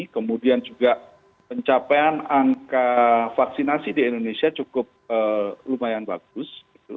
kemudian juga pencapaian angka vaksinasi di indonesia cukup lumayan bagus